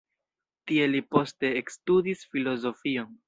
Tie li poste ekstudis filozofion.